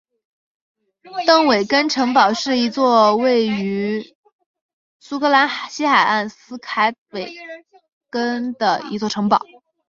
邓韦根城堡是一座位于苏格兰西海岸斯凯岛邓韦根的一座城堡。